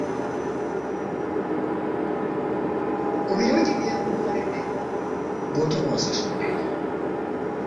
Ku birungi bye nkukoledde bw'otyo bw'onsasudde?